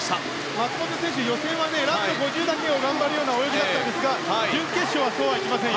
松元選手、予選はラスト５０だけを頑張るような泳ぎでしたが準決勝はそうはいきません。